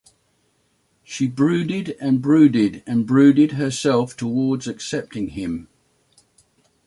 She brooded and brooded and brooded herself towards accepting him.